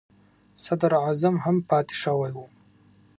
صدر اعظم هم پاتې شوی و.